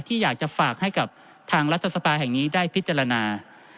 ที่อยากจะฝากให้กับทางรัฐสภาแห่งนี้ได้พิจารณา